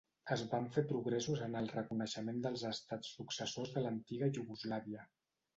Es van fer progressos en el reconeixement dels estats successors de l'antiga Iugoslàvia.